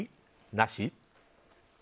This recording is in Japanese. なし？